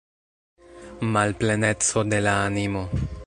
Malpleneco de la animo.